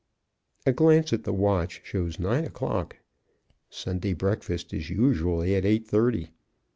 A glance at the watch shows nine o'clock. Sunday breakfast is usually at eight thirty.